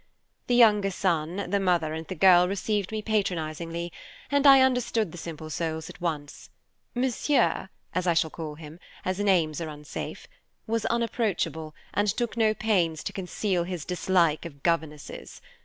The younger son, the mother, and the girl received me patronizingly, and I understood the simple souls at once. Monsieur (as I shall call him, as names are unsafe) was unapproachable, and took no pains to conceal his dislike of governesses.